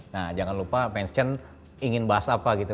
nah jangan lupa mention ingin bahas apa gitu